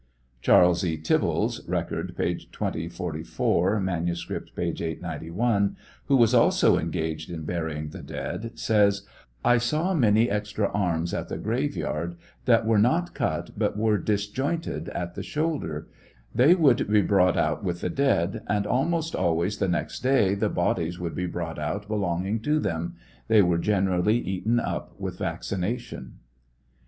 Charles E. Tibbies, (Record, p. 2044 ; manuscript, p. 891,) who was also engaged in burying the dead, says : I saw a great many extra arms at the graveyard, that were not cut, but were disjointed at the shoulder; they would be brought out with the dead, and almost always the nextday; the bodies would be brought out belonging to them ; they were generally eaten up with vac cination.